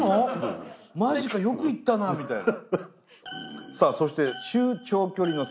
「マジかよく行ったな」みたいな。